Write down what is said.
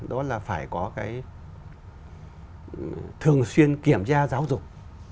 đó là phải có cái thường xuyên kiểm tra giáo dục